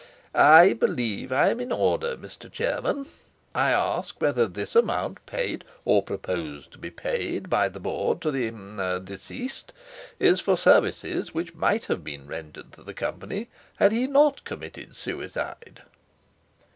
"I believe I am in order, Mr. Chairman—I ask whether this amount paid, or proposed to be paid, by the Board to the er—deceased—is for services which might have been rendered to the Company—had he not committed suicide?"